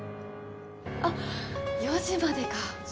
あっ、４時までかぁ。